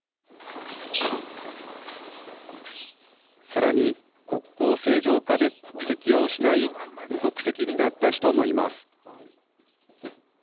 さらに国交正常化で国籍を失い無国籍になった人もいます。